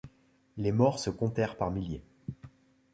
Les morts se comptèrent par milliers.